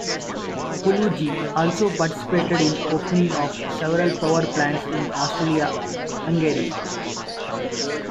Puluj also participated in opening of several power plants in Austria-Hungary.